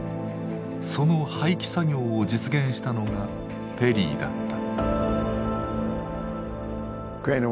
その廃棄作業を実現したのがペリーだった。